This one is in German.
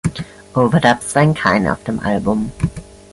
Overdubs seien keine auf dem Album.